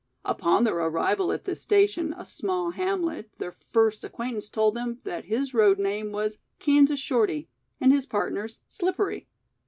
Upon their arrival at this station, a small hamlet, their first acquaintance told them that his road name was "Kansas Shorty" and his partner's "Slippery".